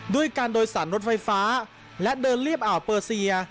ด้วยการโดยสารรถไฟฟ้าและเดินเรียบอ่าวเปอร์เซีย